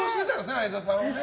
相田さんね。